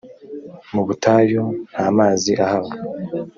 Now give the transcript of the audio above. mubutayu ntamazi ahaba.